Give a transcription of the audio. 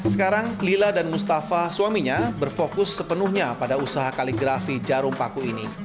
sekarang lila dan mustafa suaminya berfokus sepenuhnya pada usaha kaligrafi jarum paku ini